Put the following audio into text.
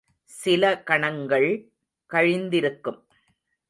சில கணங்கள் கழிந்திருக்கும்.